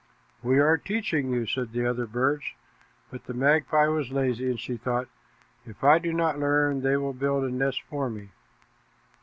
"We are teaching you," said the other birds. But the magpie was lazy, and she thought, "If I do not learn, they will build a nest for me."